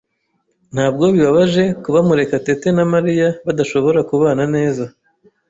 Ntabwo bibabaje kuba Murekatete na Mariya badashobora kubana neza?